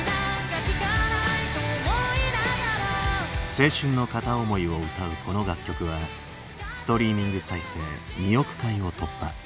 青春の片思いを歌うこの楽曲はストリーミング再生２億回を突破。